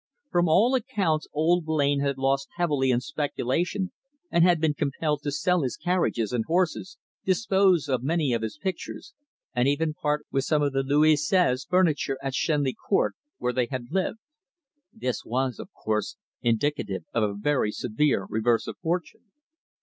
From all accounts old Blain had lost heavily in speculation and had been compelled to sell his carriages and horses, dispose of many of his pictures, and even part with some of the Louis Seize furniture at Shenley Court, where they had lived. This was, of course, indicative of a very severe reverse of fortune.